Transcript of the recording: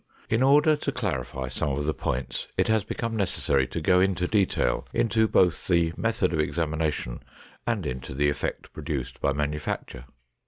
In order to clarify some of the points, it has become necessary to go into detail, into both the method of examination and into the effect produced by manufacture.